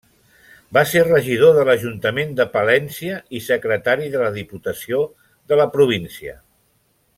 Va ser regidor de l'ajuntament de Palència i secretari de la diputació de la província.